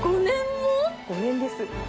５年です。